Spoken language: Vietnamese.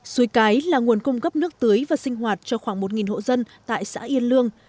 suối cái là nguồn cung cấp nước tưới và sinh hoạt cho khoảng một hộ dân tại xã yên lương